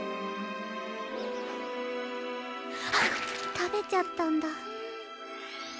たべちゃったんだ。